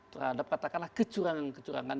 terhadap katakanlah kecurangan kecurangan